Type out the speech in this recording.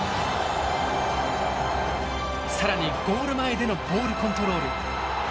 更にゴール前でのボールコントロール。